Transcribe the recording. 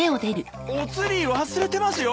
お釣り忘れてますよ！